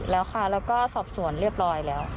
แล้วคราวซัดส่วนเรียบร้อยแล้ว